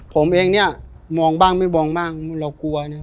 ผมเองเนี่ยมองบ้างไม่มองบ้างเรากลัวเนี่ย